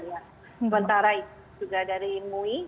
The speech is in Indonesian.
sementara juga dari mui